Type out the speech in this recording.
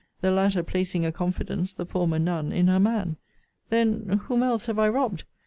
The latter placing a confidence, the former none, in her man? Then, whom else have I robbed?